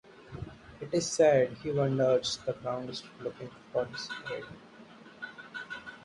It is said he wanders the grounds still looking for his head.